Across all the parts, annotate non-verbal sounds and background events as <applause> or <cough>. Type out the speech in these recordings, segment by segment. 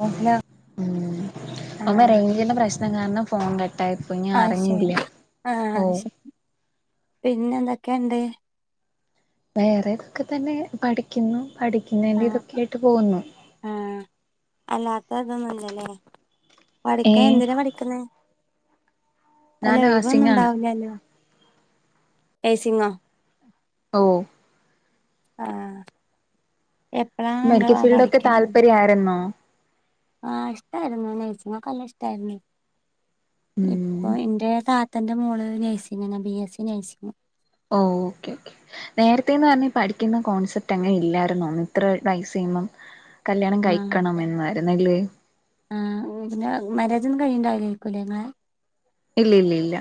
ഓ hello ഓമെ ആഹ് റേഞ്ചിന്റെ പ്രശ്നം കാരണം ഫോണ്ടെ ട്ടായിപ്പോയി ഞാൻ അത് ശരി അറിഞ്ഞിന്തില്ല ഓ ആഹ് ശരി പിന്നെ എന്തൊക്കെണ്ട് വേറെതൊക്കെ തന്നെ പഠിക്കുന്നു പഠിക്കുന്നയിന്റെറെ ആഹ് ഇതൊക്കെ ആയിട്ട് പോഉന്നു ആഹ് അല്ലാത്ത ഇതൊന്നുംല്ലല്ലേ ഏ പഠിക്കാ എന്തിനാ പഠിക്കുന്നെ അല്ല ഞാൻ ഒഴിവൊന്നും ആസിങ്ങാണ് ണ്ടാവ് ലല്ലോ ഏസിങ്ങോ ഓ ആഹ് എപ്പഴാണ് മെഡിക്കൽ നമ്മള് ഫീൽഡ് ഒക്കെ പഠിക്കാൻ താല്പര്യായിരുന്നോ ആഹ് ഇഷ്ടായിരുന്നു നെയ്‌സിങ്ങൊക്കല്ല ഇഷ്ടായിരുന്നെ ഉം ഇപ്പൊ എന്റെ ത തന്റെ മോള് നഴ്സിങ്ന ബി എസ് സി നഴ്സിംഗ് ഓ ഓക്കേ ക്കേ നേരത്തേന്ന് പറഞ്ഞ പഠിക്കുന്ന കോൺസെപ്റ്റ് അങ്ങനെ ഇല്ലായിരുന്നോന്ന് ഇത്ര ദൈസെയ്യുമ്പം കല്യാണം കഴിക്കണം എന്നു ആയിരുന്നു അല്ലേ ആ ഉ പിന്നെ മാരേജൊന്നും കഴിണ്ടാവ് ലെയ്ക്കുലെ ങ്ങളെ ഇല്ല ഇല്ല ഇല്ല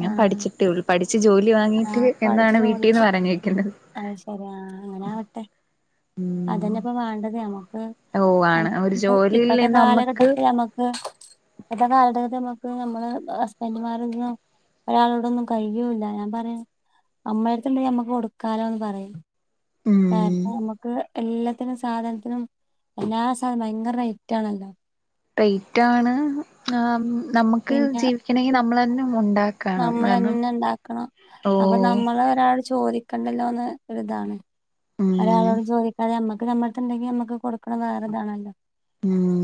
ഞാൻ പഠിച്ചിട്ടേള്ളു പടി ച്ച് ജോലി വാങ്ങിയിട്ട് എന്നാണ് വീട്ടിന്ന് പറഞ് വക്കുന്നത് അഹ് ശരിയാ അങ്ങനെ ആവട്ടെ അതന്നെ പ്പൊ വേണ്ടത് നമ്മുക്ക് ഓ അം ആണ് ഒരു പ ജോലിയില്ലേ ഇപ്പത്തെ നമ്മക്ക് കാലഘട്ടത്തി അമ്മക്ക് ഇപ്പത്തെ കാലഘകത്ത് നമ്മക്ക് നമ്മള് ഹസ്ബൻഡുമാരൊന്നും ഒരാളോടൊന്നും കഴിയൂല്ല ഞാൻ പറയുന അമ്മടുത്തണ്ടെ അമ്മക്കൊടു കാലംന്ന് പറയും ഉം കരണമക്ക് ക് എല്ലത്തിനും സാധനത്തിനും എല്ലാ സാധ ഭയങ്കര റൈറ്റ ആണല്ലോ തെയ്റ്റാണ് ആമ് നമുക്ക് ജീവിക്കണെങ്കി നമ്മളെൻ നമ്മളെന്നെ ണ്ടാക്കണം ഓ അപ്പൊ നമ്മള ഒരാള് ചോദിക് കണ്ടല്ലോന്ന് ഒരിതാണ് ഉം ഒരാളോട് ചോദിക്കാതെ അമ്മക് ക് കമ്മട്ത്ത്ണ്ടെങ്കി അമ്മക്ക് കൊടുക്കണം വേറെ താണല്ലോ ഉം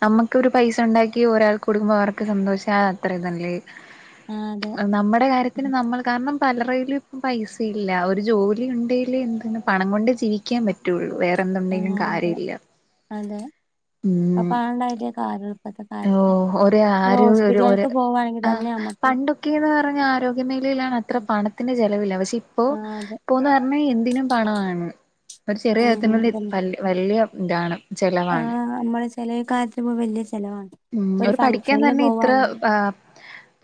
നമ്മക്കൊരു പൈസ ണ്ടാക്കി ഒരാൾ കൊടുകുമ്പോ അവർക്ക് സന്തോഷാഹ അത്ര തല്ലേ ആ അതെ നമ്മുടെ കാര്യത്തിന് നമ്മൾ കാരണം പലറെയ്ല് പൈസയില്ല ഒരു ജോലി ഉണ്ടേല് എന്തിന് പണം കൊണ്ട് ജീവിക്കാൻ പറ്റുള്ളൂ വേ ആ എന്തുണ്ടെങ്കിലും അതെ കാര്യഇല്ല അതെ അ പാണ്ടായിട്ട കാരന് ഓ ഒര് ആര് ഒര് ഒര് പോവാണെങ്കിൽ ആ തന്നെ നമുക്ക് പണ്ടൊക്കെന്നെറഞ്ഞ ആരോഗ്യമേലയിലാണ് അത്ര പണത്തിന്റെ ചലവില്ല. വഷെ ഇപ്പോ ആ അതെ പ്പോന്ന് ർഞ്ഞാ എന്തിനും പണമാണ് ഒരു ചെറിയ അത്തിനുള്ളിൽ പൽ വല്ല്യ ഇന്റാണ് ആഹ് അമ്മളെ ചെലേ കാര്ത്തി പൊ വല്യ ചെലവാ ഉം ഒരു കഠിക്കാൻ തന്നെ ഇത്ര ആ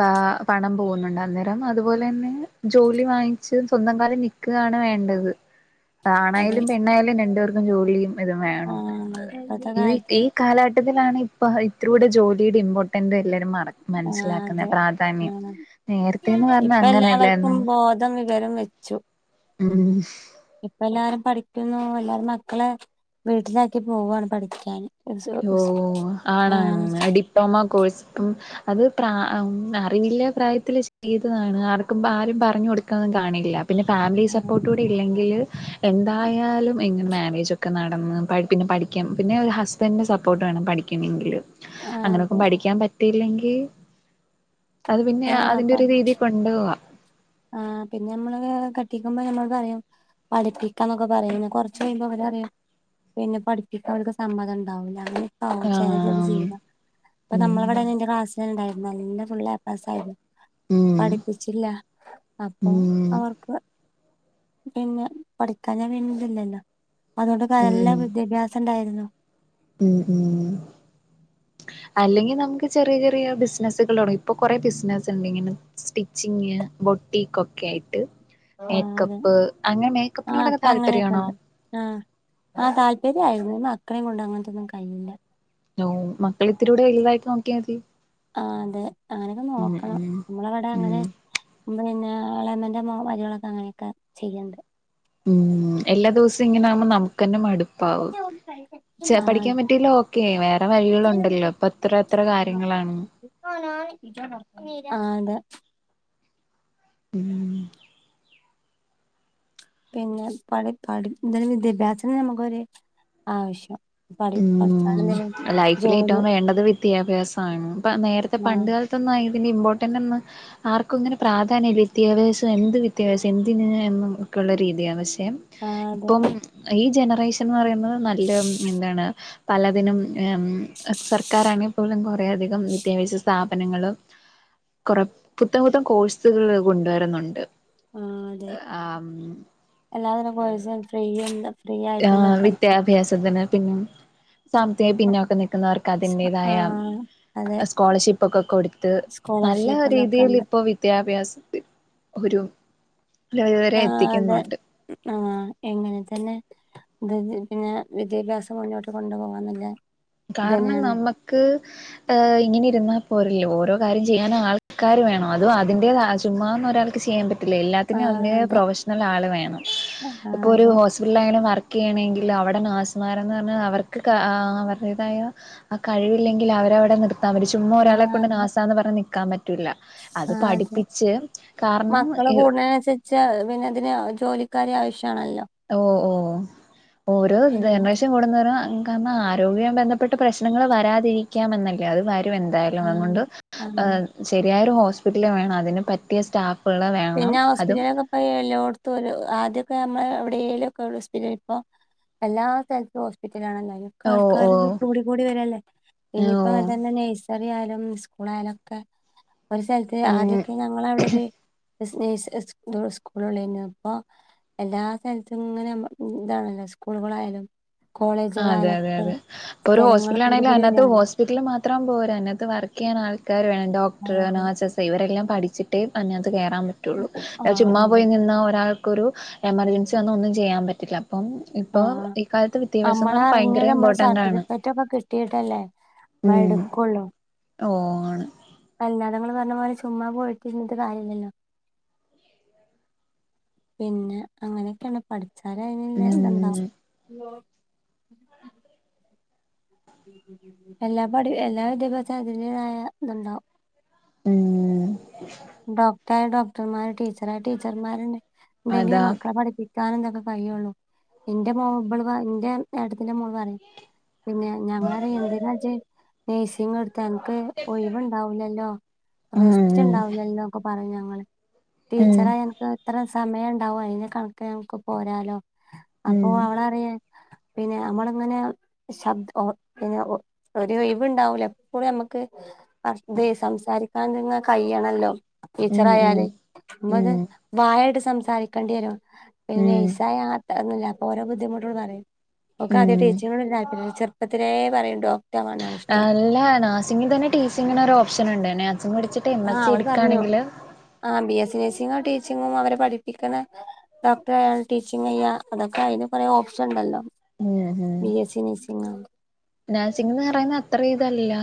ആ പണം പോവുന്നുണ്ട് ണ്ട അന്നേരം അതുപോലെന്നെ ജോലി വാങ്ങിച്ച് സ്വന്തം കാലിൽ നിക്കാണ് വേണ്ടത്. അതെ ആണായാലും പെണ്ണായാലും രണ്ടുപേർക്ക്- കഞ്ചോല <unintelligible> ഇത് ആ വേണം എന്നത് ഇപ്പത്തെ ഈ കാലത്ത് ഈ കാലട്ടത്തി - ഇപ്പ <unintelligible> ഇത്രൂടെ ജോലിയുടെ ഇമ്പോർട്ടന്റ് എല്ലാരും മ ആ മനസ്സിലാക്കുന്ന അതെ ആ പ്രാധാന്യം നേരത്തേന്ന് പറഞ്ഞ അങ്ങനെല്ലായിരുന്നു വച്ചു ഇപ്പ എല്ലാരും പഠി- രുന്നു എല്ലാരും മക്കളെ വീട്ടിലാക്കി പോവുവയാണ് പഠിക്കാൻ ഓ ആണ് ആണ് ഡിപ്ലോമ കോഴ്സ് ഉം അത് പ്ര അറിവില്ല പ്രായത്തില് ചെയ്തതാണ് ആർക്കും ആരും പറഞ്ഞ് കൊടുക്കാനോന്നും കാണില്ല പിന്നെ ഫാമിലി സപ്പോർട്ട് കൂടി ഇല്ലെങ്കില് - എന്തായാലും എന്റെ മാരേജ് ഒക്കെ നടന്ന് പിന്നെ പഠിക്കൻ പിന്നെ ഹസ്ബ- ബന്റ് സപ്പോർട്ട് വേണം പഠിക്കണമെങ്കില് ആ അങ്ങനെയൊക്കെ അതെ പഠിക്കാൻ പറ്റ- കിട്ടയില്ലെങ്കിൽ- അത് പിന്നെ ആ അതിന്റെ പറ ഒരു രീതി കൊണ്ടു പോവാ ആ പിന്നെ നമ്മള് വേറെ കെട്ടിക്കുമ്പോ നമ്മൾക്കറിയാം പഠിപ്പിക്കാ എന്നൊക്കെ പറയുന്ന കൊറച്ച് കഴിയുമ്പോ അവര് പറയും പിന്നെ പഠിപ്പിക്കാനൊന്നും അവർക്ക് സമ്മതം ഉണ്ടാവൂല്ല അ ഓ ചെലരുടെയൊക്കെ ആഹ് ജീവിതം അപ്പ ഉം നമ്മളെവിടെ എന്റെ ക്ലാസ്സിൽ തന്നെ ഉണ്ടായി നല്ല ഫുൾ എ പ്ലസ്സായിരുന്നു ഉം പഠിപ്പിച്ചില്ല അപ്പൊ ഉം അവർക്ക് പിന്നെ പഠിക്കാൻ ഞാൻ വീണ്ട്ല്ലല്ലോ അതുകൊണ്ടൊക്കെ ഉം എല്ലാ ഉം വിദ്യാഭ്യാസം ണ്ടായിരുന്നു ഉം ഉം അല്ലെങ്കിൽ നമുക്ക് ചെറിയ ചെറിയ ബിസിനസുകളുതുടങ്ങി ഇപ്പൊ കൊറെ ബിസിനസ്സ് ഒണ്ട് ഇങ്ങനെ സ്റ്റിച്ചിങ് ബൊട്ടിക്ക് ഒക്കെ ആയിട്ട് ആ അതെ മേക്കപ്പ് അങ്ങനെ ആ മേക്കപ്പിനോടൊക്കെ അപ്പൊ അങ്ങനെയൊക്കെ താല്പര്യമാണോ ഉണ്ട് ആ ആ താല്പര്യായിരുന്നു ഈ മക്കളേയും കൊണ്ട് അങ്ങനത്തൊന്നും കഴിയില്ല ഓ മക്കള് ഇത്തിരി കൂടെ വലുതായിട്ട് നോക്കിയാ മതി ആ അതെ അങ്ങനെയൊക്കെ ഉം നോക്കണം ഉം നമ്മളവിടെ ഉം അങ്ങനെ പിന്നെ ഇളയണ്ണന്റ മരുമോളൊക്കെ അങ്ങനെയൊക്കെ ചെയ്യണ്ട് ഉം എല്ലാ ദിവസവും ഇങ്ങനെ ആകുമ്പോ നമുക്ക് തന്നെ മടു- ആഹ് പറ്റിയില്ല ഓക്കെ വേറെ വഴികളുണ്ടല്ലോ അപ്പൊ അത്ര അത്ര കാര്യങ്ങളാണ് ആ അതെ ഉം പിന്നെ പഠി പഠി എന്താലും വിദ്യാഭ്യാസത്തിന് നമുക്കൊരു ആവശ്യം പഠി ഉം പഠിച്ചാലെന്തേലും ജോലി ലൈഫിലേറ്റവും വേണ്ടത് വിദ്യാഭ്യാസമാണ് പ്പ നേരത്തെ ആ പണ്ട് കാലത്തൊന്നും അയി ന്റെ ഇമ്പോർട്ടന്റൊന്നും ആർക്കു ഇങ്ങനെ പ്രാധാന്യമില്ല വിദ്യാഭ്യാസം എന്ത് വിദ്യാഭ്യാസം എന്തിന് എന്ന് ഒക്കെയുള്ള രീതിയാണ് ശ് രം ആ അതെ ഇപ്പം ഈ ജന- ക്കേഷൻ എന്ന് പറയുന്നത് നല്ല എന്താണ് പലതിനും എം സർക്കാരാണെ പോലും കുറെയധികം വിദ്യാഭ്യാസ സ്ഥാപനങ്ങളും കൊറെ പുത്തൻ പുത്തൻ കോഴ്സുകള് കൊണ്ടുവരുന്നുണ്ട് ആ അതെ ആഹ് എല്ലാതരം കൊഴ്സുകളും ഫ്രീ ഒണ്ട് ആ വിദ്യാഭ്യാസത്തിന് പിന്നെ സാമ്പത്തിക പിന്നോക്കം ആ നൽക്കുന്നവർക്കതിന്റെതായ അതെ സ്കോളർഷിപ്പൊക്കെ കൊടുത്ത് നല്ല സ്കോളർഷിപ്പ് ഇതൊക്കെ ഉണ്ട് രീതിലിപ്പോ വിദ്യാഭ്യാസം ഒരു ലെവല് വരെ ആ അതെ എത്തിക്കുന്നുണ്ട് ആ എങ്ങനെ തന്നെ ഇത് പിന്നെ വിദ്യാഭ്യാസം മുന്നോട്ട് കൊണ്ടു പോകന്നല്ല കാരണം നമ്മക്ക് എ് ഇങ്ങനിരുന്നാപോരല്ലൊ ഓരോ കാര്യം ചെയ്യാനാൾക്കാര് വേണം അതും അതിന്റെത ചുമ്മാന്ന് ഒരാൾക്ക് ചെയ്യാൻ പ ത്തില്ല ആ എല്ലാത്തിനും അതിന്റെ അതെ പ്രൊഫഷണലാള് വേണം ആ ഇപ്പൊ ഒരു അതെ ഹോസ്പിറ്റലായാലും വർ ക്ക് ചെയ്യണെങ്കില് അവിടെ നേഴ്സുമാരന്ന്പറഞ്ഞാ അവർക്ക് ക അവർ ക്കതിന്റെതായ ആ കഴിവില്ലെങ്കിലവരവിടെ നിർ അവര് ചുമ്മാ ആ ഒരാളെ കൊണ്ട് അതെ നാസാന്ന് പറ കമ റ്റൂല്ല അത് ആ അതെ പഠിപ്പിച്ച് കാരണം പിന്നെന്തിന് ജോലിക്കാരെ ആവശ്യ ഓ ഓ ഓരോ പിന്നെ ജനറേഷൻ കൂടുന്നുംതോറും കാരണം ആരോഗ്യമായി ബന്ധപ്പെട്ട പ്രശ്നങ്ങൾ വരാതിരിക്കാം എന്നല്ലേ അത് വ രും എന്തായാലും ആഹ് അങ്ങൊണ്ട് ആഹ് ശരിയായൊരു ഹോസ് ഹോസ്പിറ്റല് വേണം അതിന് പറ്റിയ സ്റ്റാഫ് പിന്നെ ഹോസ്പിറ്റലൊക്കെ പോ എല്ലോടത്തും ഒരു ആദ്യ നമ്മ എവിടെലുക്കെ ഹോസ്പി റ്റൽ ഇപ്പ എല്ലാ സ്ഥലത്തും ഹോസ്പിറ്റ ത്തിലാണല്ലോ അതിനൊക്കെ ഓ ആൾക്കാർ ഓ കൂടി കൂടി വരല്ലേ. ഓ ഇനിയിപ്പ അത തന്നെ നെഴ്സറിയാലും സ്കൂളായാലൊക്കെ ഒരു സ്ഥലത്ത് ഉം ആദ്യൊക്കെ ഞങ്ങളവിടെ ഒരു <unintelligible> സ്കൂളാരുന്നു. അപ്പൊ എല്ലാ സ്ഥലത്തും ഇങ്ങനെ ഇതാണല്ല സ്കൂളുകളായല്ലൊ ആ അതെ, അതെ, അതെ. അപ്പൊ ഒരു സ്ഥലങ്ങൾ ഹോസ്പിറ്റല് കൂടി ആണെങ്കിലും കൂടി അതിനകത്ത് വരികയാണല്ലോ ഹോസ്പിറ്റല് മാത്രം പോരാ, അതിനകത്ത് വർക്ക് ചെയ്യാൻ ആൾ ക്കാർ വേണം ഡോക്ടർ, ആഹ് അതെ നഴ്സസ് ഇവരെല്ലാം പഠിച്ചിട്ടേ <unintelligible> കേറാൻ പറ്റുള്ളൂ, എ ആഹ് ചുമ്മാ അതെ പോയി നിന്ന ഒരാൾ ഒരു എമർജൻസി വന്നാൽഒന്നും ചെയ്യാൻ പറ്റില്ല. ഇപ്പം ഇപ്പൊ ഈ കാലത്ത് വിദ്യാഭ്യാസം എന്ന് നമ്മള പറഞ്ഞാൽ അറിഞ്ഞ് ഭയങ്കര നമ്മള് ഇമ്പോർട്ടന്റ് ആണ് സർട്ടിഫിക്കറ്റ് ഒക്കെ കിട്ടീട്ടല്ലേ ഉം മടുക്കൊള്ളൂ. ഓ ആണ്. കല്യാണങ്ങൾ പറഞ്ഞ പോലെ ചുമ്മാ പോയിട്ടിരുന്നിട്ട് കാര്യമില്ല അല്ലോ, പിന്നെ അങ്ങനെയൊക്കെയാണ് പഠ <unintelligible> അയിനല്ല ഇണ്ടാവ <inaudible> ഉം എല്ലാ പഠ എല്ലാ വിദ്യാഭ്യാസതിനും അതിൻേതായ ഇത്ണ്ടാവും. ഏ.... ഡോക്ടർ ആയാൽ ഡോക്ടർമാര്, ടീച്ചർ ആയാൽ ടീച്ചർമാര് ണ്ടെങ്കിലും അതാ മക്കളെ പഠിപ്പിക്ക ന്തൊക്കെ കഴിയുള്ളു. എന്റെ മോൾ എൻറെ ഏട്ടത്തിന്റെ മോള് പറയും പിന്നെ ഞങ്ങള് പറയുംഎന്തിനാജ് നഴ്സിംഗ് അന്ക്ക് ഒഴിവുണ്ടാവൂല, ല്ലോ ഉം റെസ്റ്റ് ഉം ഉണ്ടാവു ഒക്ക പറഞ്ഞു ഞങ്ങള് ഉം ടീച്ചറായാൽ അനക്ക് എത്ര സമയം ഉണ്ടാവോ അതിന് കണക്ക് നമക്ക് പോരാലോ അപ്പൊ ഉം അവളറിയ പിന്നെ നമ്മള ഇങ്ങനെ ശബ പിന്നെ ഒരു ഇവ ഉണ്ടാവൂല എപ്പോഴും നമ്മുക്ക് സംസാരിക്കാൻ കഴ യ്യണല്ലോ ഉം ടീച്ചറായാലേ നത് ഉം ഉം ഭായട് സംസാരിക്കേണ്ടി വരോ? പിന്നെ ഉം നേഴ്സായ <unintelligible> ഓരോ ബുദ്ധിമുട്ടുള്ളതാണ് ഒ ആദ്യ ഉം ടീച്ചിങ്ങനോട്‌ വല്യതാല്പര്യല്ല ചെറുപ്പത്തിലേ പറയും ഡോക്ടറാവനാണ് ഇഷ്ടം. അല്ല നഴ്സിംഗിൽ തന്നെ ടീച്ചിങ്ങിന് ഒരു ഓപ്ഷൻ ഉണ്ട് നഴ്സിംഗ് പഠിച്ചിട്ട് എം എൽ ആഹ് സി അവള് പറഞ്ഞു എടുക്കയാണെങ്കില് ആ ബി എസ് സി ടീച്ചിങ്ങും അവരെ പഠിപ്പിക്കണ ഡോക്ടർയാണ് ടീച്ചിങ് ചെയ്യ അതൊക്കെ അതിന് കുറെേ ഓപ്ഷൻ ഉണ്ടല്ലോ. ബി എസ് സി നേഴ്സിങ്ങ നഴ്സിംഗന്ന് പറയുന്നത് അത്ര ഇതല്ല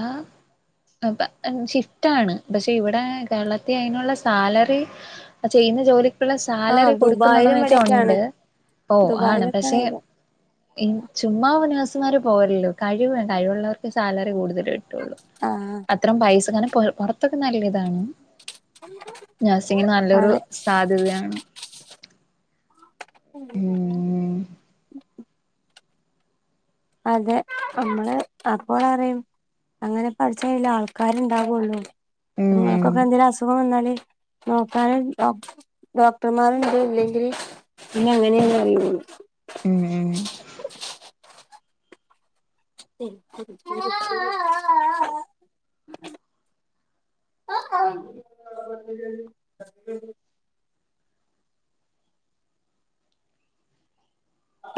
ഷിഫ്റ്റ് ആണ് പക്ഷെ ഇവിടെ കേരളത്തിൽ അതിനുള്ള സാലറി ചെയ്യുന്ന ജോലി ക്കുള്ള ആ സാലറി കൊടുക്കുന്നുണ്ടോന്ന് ദുബായിലും ചോയ്ച്ച ഇവിടെയൊക്കെയാണ് ഉണ്ട്. ഓ ആണ് ദുബായിലൊക്കെയാണ് പക്ഷെ അതിന്റെ ഇ ചുമ്മ ഒരുനേഴ് ത്ത്മാര് പോരല്ലോ കഴിവ് കഴിവുള്ളവർക്ക് സാലറി കൂടുതല് <unintelligible> ആ അത്രം പൈസങ്ങനെ പൊ പൊർത്തൊക്കെ നല്ലിതാണ്. നഴ്സിംഗിന് നല്ലൊരു അതെ സാധ്യതയാണ് ഉം അതെ അമ്മളെ അപ്പോളറിയും അങ്ങനെ പഠിച്ച അയല് ള്ളാൾക്കാര്ണ്ടാവൊള്ളൂ ഉം ഇങ്ങൾക്കൊക്കെ എന്തെലും അസുഖം വന്നാല് നോക്കാനും ഡോക് ഡോക്ടർമാരുണ്ട് ഇല്ലെങ്കില് ഇനി അങ്ങനെന്നറിയോള് ഉം ഉം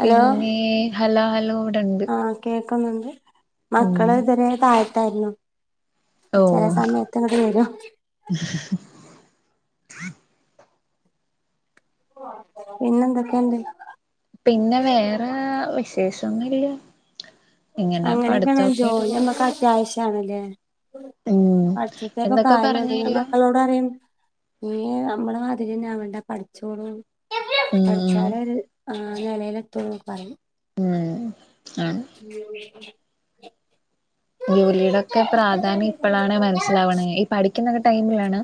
ഹലോ ഹലോ ഹ ലോ രണ്ട് ക്ക് ന്ന്ണ്ട് മക്കള്തരെ ത ത്തായിരുന്നു. ഓ ചെല സമയത്ത്ങ്ങട്ട് വരും പിന്നെന്തൊക്കെയുണ്ട്? പിന്നെ വേറെ വിശേഷം ഒന്നില്ല അങ്ങനെയൊക്കെ വന്നാ ജോലി പോണം നമ്മക്ക് അത്യാവിശ്യ ആണല്ലേ? ഉം പഠിച്ചിട്ടാ ഇപ്പ എന്തൊക്കെ കാര്യളളു ഞാൻ പറഞ്ഞല്ലോ മക്കളോട് പറയും ഇനി നമ്മള മാതിരി തന്നെ അവണ്ട പഠിച്ചോളൂ ഉം പഠച്ചാലാ ഒരു ആ ഒരു നിലേല് എത്തുള്ളൂ <unintelligible> പറയും. അ <unintelligible> ജോലിടൊക്കെ പ്രാധാന്യം ഇപ്പഴാണ് മനസ്സിലാവണേ, ഈ പഠിക്കുന്ന ഒക്കെ ടൈമിലാണ്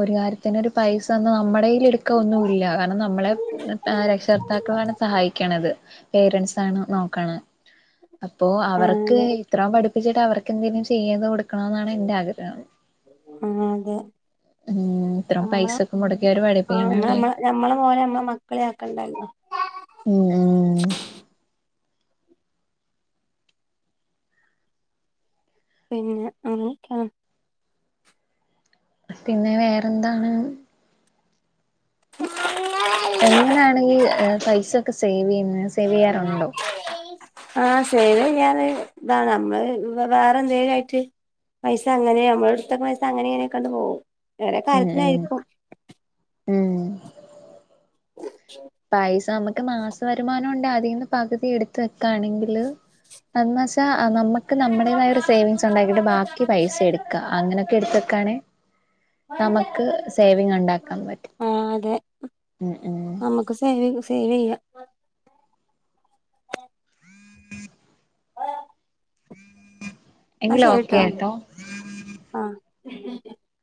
ഒരു കാര്യത്തിന് ഒരു പൈസന്ന് നമ്മുടെ <unintelligible> <unintelligible> എടുക്കാ ഒന്നുല്ല കാരണം നമ്മളെ രക്ഷകർത്താക്കളാണ് സഹായിക്കണത്, പേരൻറ്സാണ് നോക്കണ അപ്പോ ആഹ് അവർക്ക് അതെ ഇത്രോ പഠി പ്പിച്ചിട്ട് അവർക്കെന്തെങ്കിലും ചെയ്ത് കൊടു ക്ണോ എന്നാണ് എന്റെ ആഗ്രഹം ആഹ് അതെ ഉം ഇത്ര നമ്മളെ പൈസൊക്കെ മുടക്കി അവര് ആഹ് പഠപ്പിക്കണല്ലേ നമ്മള നമ്മ നമ്മളെ പോലെ നമ്മളെ മക്കളെ ആക്കണ്ടല്ലോ ഉം ഉം പിന്നെ അ <unintelligible> പിന്നെ വേറെ എന്താണ് എങ്ങനണ് ഈ പൈസൊക്കെ സേവെയ്ന്നസേവ് യ്യാറുണ്ടോ ആ സേവിയർ ആ നമ്മൾ വേറെയെന്തേലുംആയിട്ട് പൈസ അങ്ങനെ നമ്മൾ ഇടത്ത്കണ വെക്കണ പൈസ അങ്ങനെ ഇങ്ങനെ ആയിട്ട് പോവും വേറെ ഉം ഉം കാര്യത്തിനാരിക്കും ഉം പൈസ മ മാസ വരുമാനംണ്ട് അതീന്ന് പകുതി എടുത്ത വെക്കണെങ്കില് <unintelligible> പ നമക്ക് നമ്മുടേതായ ഒരു സേവിങ്സ് ഉണ്ടാക്കിട്ട് ബാക്കി പൈസ എടുക്കാം അങ്ങനെയൊക്കെ എടുത്തക്കാണേ നമുക്ക് സേവിങ് ഉണ്ടാക്കാൻ പറ്റും ആഹ് ഉം ഉം സേവെയ്യാം എന്നാ എങ്കിലൊക്കെ ശരിട്ടോ ട്ടോ ആഹ്